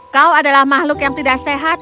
kau adalah makhluk yang tidak sehat